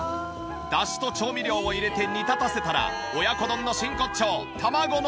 出汁と調味料を入れて煮立たせたら親子丼の真骨頂卵の出番。